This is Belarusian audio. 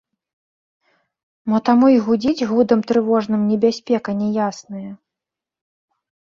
Мо таму й гудзіць гудам трывожным небяспека няясная?